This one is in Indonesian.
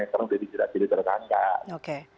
sekarang sudah dijerat jadi terletak